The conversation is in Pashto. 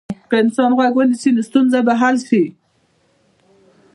که انسان غوږ ونیسي، نو ستونزه به حل شي.